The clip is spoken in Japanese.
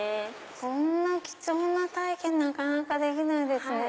こんな貴重な体験なかなかできないですね。